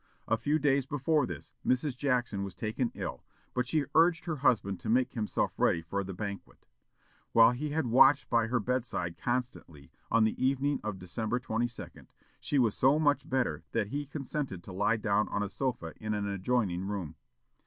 A few days before this, Mrs. Jackson was taken ill, but she urged her husband to make himself ready for the banquet. While he had watched by her bedside constantly, on the evening of December 22, she was so much better that he consented to lie down on a sofa in an adjoining room.